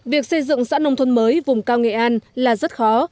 việc xây dựng xã nông thôn mới vùng cao nghệ an là rất khó